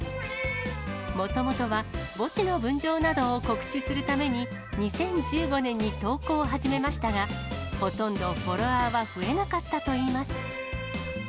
もともとは墓地の分譲などを告知するために、２０１５年に投稿を始めましたが、ほとんどフォロワーは増えなかったといいます。